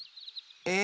え？